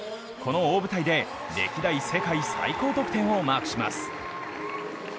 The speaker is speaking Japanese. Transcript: この大舞台で歴代世界最高得点をマークします。